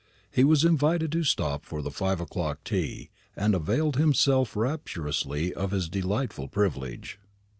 He was invited to stop for the five o'clock tea, and availed himself rapturously of this delightful privilege.